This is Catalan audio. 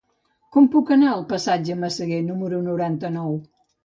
Com puc anar al passatge de Massaguer número noranta-nou?